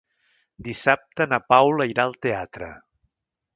Dissabte na Paula irà al teatre.